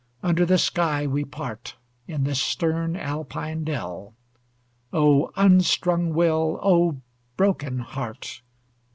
Under the sky we part, In this stern Alpine dell. O unstrung will! O broken heart!